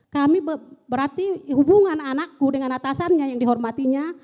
kami berarti hubungan anakku dengan atasannya yang dihormatinya